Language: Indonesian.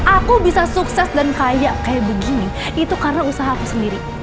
aku bisa sukses dan kaya kayak begini itu karena usaha aku sendiri